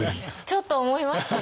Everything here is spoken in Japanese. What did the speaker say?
ちょっと思いましたね。